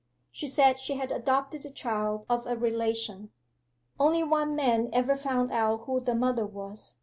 She said she had adopted the child of a relation. 'Only one man ever found out who the mother was.